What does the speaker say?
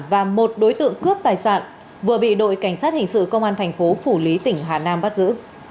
và một đối tượng cướp tài sản vừa bị đội cảnh sát hình sự công an thành phố phủ lý tỉnh hà nam bắt giữ